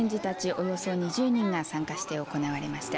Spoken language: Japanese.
およそ２０人が参加して行われました。